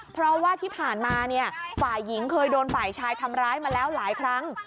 เพราะว่าที่ผ่านมาเนี่ยฝ่ายหญิงเคยโดนฝ่ายชายทำร้ายมาแล้วหลายครั้ง